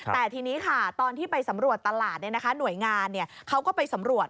แต่ทีนี้ค่ะตอนที่ไปสำรวจตลาดหน่วยงานเขาก็ไปสำรวจ